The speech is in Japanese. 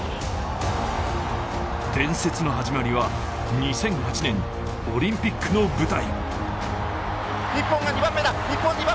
伝説の始まりは２００８年オリンピックの舞台。